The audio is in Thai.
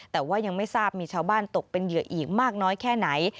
แต่ว่ายังไม่ทราบมีชาวบ้านตกเป็นเหยื่ออีกมากน้อยแค่ไหน